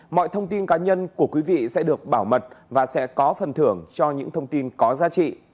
mọi thông tin cá nhân của quý vị sẽ được bảo mật và sẽ có phần thưởng cho những thông tin có giá trị